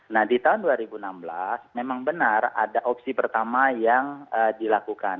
nah di tahun dua ribu enam belas memang benar ada opsi pertama yang dilakukan